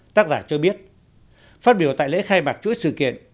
tác giả cho biết phát biểu tại lễ khai mạc chuỗi sự kiện